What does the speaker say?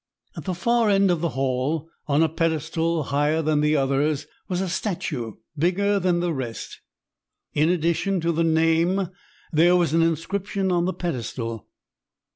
At the far end of the hall, on a pedestal higher than the others, was a statue bigger than the rest. In addition to the name there was an inscription on the pedestal.